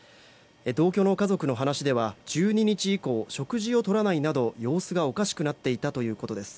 同居の家族の話では１２日以降食事を取らないなど様子がおかしくなっていたということです。